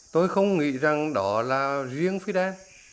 tôi không nghĩ rằng đó là riêng fidel